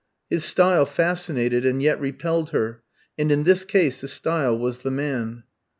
His style fascinated and yet repelled her, and in this case the style was the man.